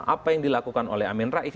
apa yang dilakukan oleh amin rais